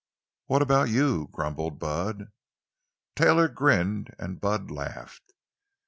"What about you?" grumbled Bud. Taylor grinned, and Bud laughed.